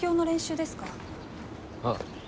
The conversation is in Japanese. ああ。